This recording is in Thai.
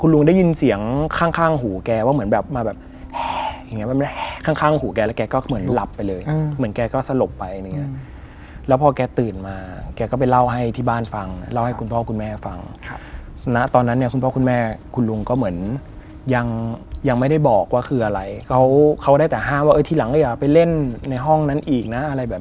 แล้วก็มีคุณน้าอีกสองคน